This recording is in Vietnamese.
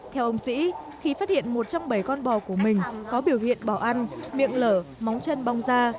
theo ông sĩ khi phát hiện một trăm bảy con bò của mình có biểu hiện bỏ ăn miệng lở móng chân bong da